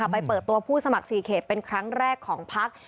ไปเปิดตัวผู้สมัคร๔เขตเป็นครั้งแรกของพัก